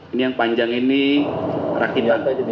ini yang panjang ini rakitan